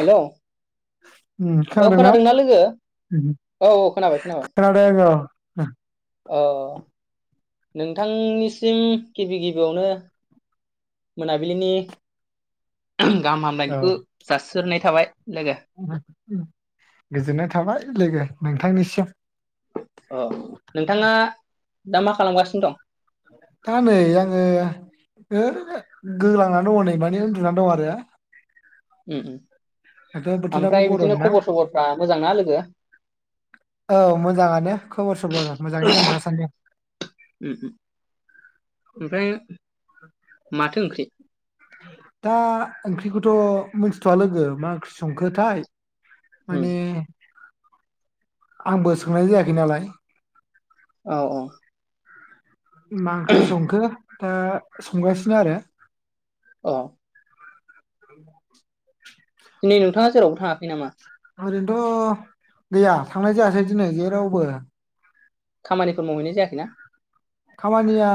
हेल' ओम खोनादोंना औ औ खोनाबाय खोनाबाय खोनादों अ [unintelligible] अ नोंथांनिसिम गिबि गिबियावनो मोनाबिलिनि गाहाम औ हामलायनायखो जासिहरना थाबाय लोगो गोजोननाय थाबाय लोगो नो [unintelligible] अ नोंथाङा दा मा खालामगासिनो दं? दा नै आङो ओनो गोलांनानै दङ नै माने उन्दुनानै दं आरो उम उम दाथ' बोथोराबो ओमफ्राय गरम बिदिनो ना खबर सबरफ्रा मोजां ना लोगो औ मोजाङानो खबर सबर ओ मोजाङैनो दं दासान्दि ओ ओमफ्राय माथो ओंख्रि? दा ओंख्रिखौथ' मिथिथ'आ लोगो मा ओंख्रि संखोथाय उम माने आंबो सोंनाय जायाखै नालाय औ औ मा ओंख्रि अ संखो? दा संगासिनो आरो अ। [inaudible] दिनै नोंथाङा जेरावबो थाङाखै नामा? ओरैनोथ' गैया थांनाय जायासै दिनै जेरावबो। खामानिफोर मावहैनाय जायाखैना? खामानिया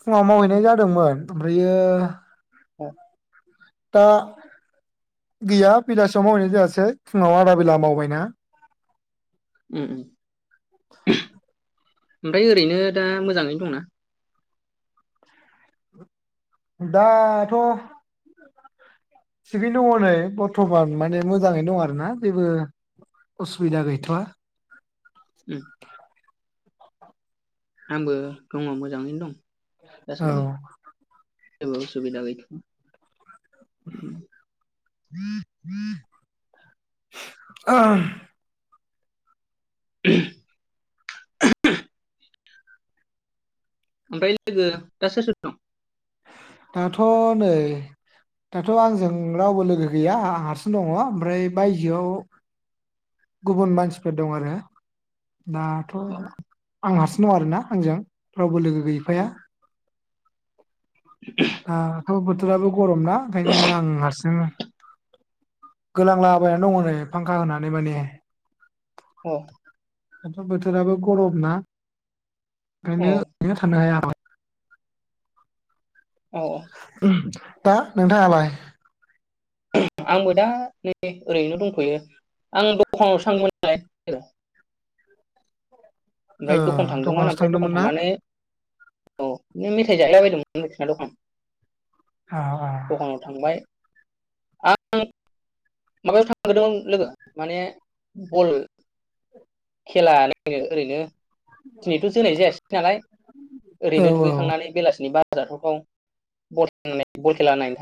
फुङाव मावहैनाय जादोंमोन ओमफ्रायो [unintelligible] दा गैया बेलासियाव मावैनाय जायासै फुङाव आदा बेला मावबायना। उम उम। [inaudible] ओमफ्राय ओरैनो दा मोजाङैनो दंना? दा थ' थिगैनो दङ नै बरथमान माने मोजाङै दं आरोना जेबो असुबिदा गैथ'वा। उम। आंबो दङ मोजाङैनो दं। दा सों औ दे। जेबो सुबुबिदा गै [unintelligible] [unintelligible] [unintelligible] [unintelligible] ओमफ्राय लोगो दा सोर सोर दं? दाथ' नै दाथ' आंजों रावबो लोगो गैया आं हारसिं दङ ओमफ्राय बायजोआव गुबुन मानसिफोर दं आरो। दाथ' दं? आं हारसिं दं आरो ना आंजों रावबो लोगो गैफाया। दाथ' बोथोराबो गरम ना ओंखायनो आं हारसिं गोलांलाबायनानै दङ नै फांखा होनानै माने। अ। दाथ' बोथोराबो गरम ना। औ ओंखायनो थानो हाया। औ [inaudible] दा नोंथाङालाय? आंबो दा नै ओरैनो दंथ'यो आं दखानावसो [unintelligible] ओ ओमफ्राय दखान थांदोंमोन दखानावसो ओमफ्राय दखान ना थांनानै औ बिनो मेथाइ जायलाबायदोंमोन [unintelligible] दखान औ दखानाव थांबाय। आं माबायाव थांग्रोदों लोगो माने बल खेला नायनो ओरैनो दिनैथ' जोनाय जायासै नालाय ओरैनो औ दुगैखांनानै बेलासिनि बार जाथावथाव बल [unintelligible] बल खेला नायनो थां